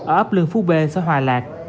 ở ấp lương phú b xã hòa lạc